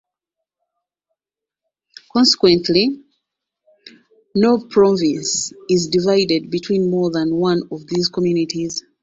Consequently, no province is divided between more than one of these communities.